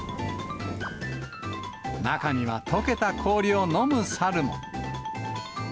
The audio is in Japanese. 中にはとけた氷を飲む猿も。